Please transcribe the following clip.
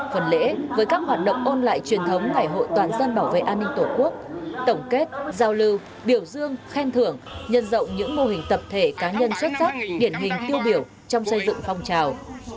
phần lễ với các hoạt động ôn lại truyền thống ngày hội toàn dân bảo vệ an ninh tổ quốc tổng kết giao lưu biểu dương khen thưởng nhân rộng những mô hình tập thể cá nhân xuất sắc điển hình tiêu biểu trong xây dựng phong trào